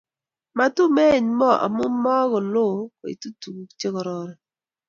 Matumein moo amu maku loo kuitu tuguk che kororon